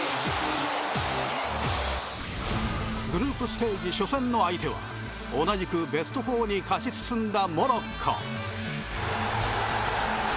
グループステージ初戦の相手は同じくベスト４に勝ち進んだモロッコ。